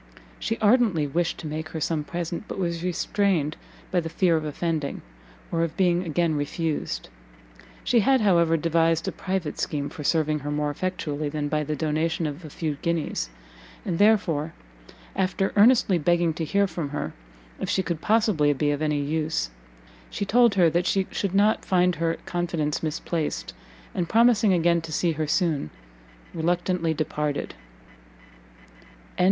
She ardently wished to make her some present, but was restrained by the fear of offending, or of being again refused; she had, however, devised a private scheme for serving her more effectually than by the donation of a few guineas, and therefore, after earnestly begging to hear from her if she could possibly be of any use, she told her that she should not find her confidence misplaced, and promising again to see her soon, reluctantly departed.